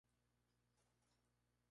El Ayuntamiento se sitúa en la Plaza Mayor.